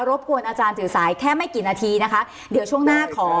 บกวนอาจารย์ถือสายแค่ไม่กี่นาทีนะคะเดี๋ยวช่วงหน้าขอ